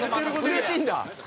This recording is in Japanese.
うれしいんだ？